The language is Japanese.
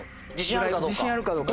自信あるかどうか。